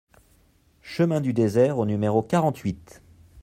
Chemin du Désert au numéro quarante-huit